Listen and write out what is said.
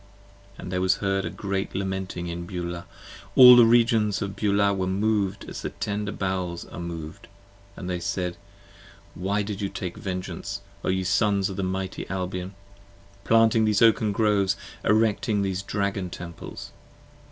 p. 25 AND there was heard a great lamenting in Beulah: all the Regions Of Beulah were moved as the tender bowels are moved: & they said: Why did you take Vengeance, O ye Sons of the mighty Albion? Planting these Oaken Groves: Erecting these Dragon Temples.